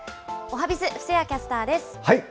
おはＢｉｚ、布施谷キャスターです。